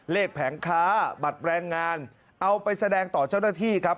แผงค้าบัตรแรงงานเอาไปแสดงต่อเจ้าหน้าที่ครับ